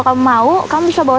kamu jalan dulu